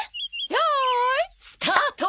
よーい！スタート！